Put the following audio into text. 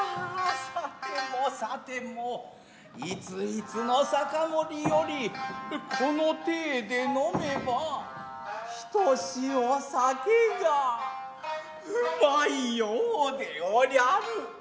さてもさてもいついつの酒盛よりこの体で呑めばひとしお酒が旨いようでおりゃる。